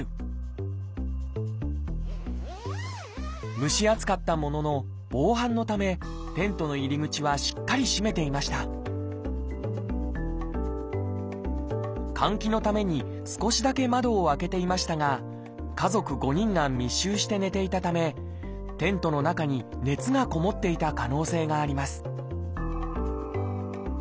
蒸し暑かったものの防犯のためテントの入り口はしっかり閉めていました換気のために少しだけ窓を開けていましたが家族５人が密集して寝ていたためテントの中に熱がこもっていた可能性があります